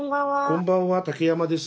こんばんは竹山です。